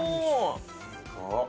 すごっ。